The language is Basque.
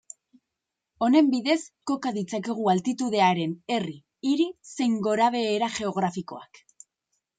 Honen bidez koka ditzakegu altitudean herri, hiri, zein gorabehera geografikoak.